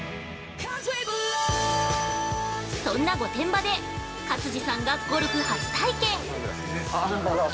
そんな御殿場で勝地さんがゴルフ初体験！